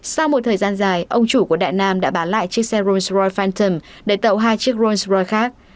sau một thời gian dài ông chủ của đại nam đã bán lại chiếc xe rolls royce phantom để tạo hai chiếc rolls royce khác